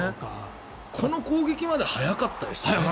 この攻撃まで速かったですね。